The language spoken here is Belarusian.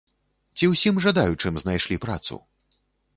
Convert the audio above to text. Ці ўсім жадаючым знайшлі працу?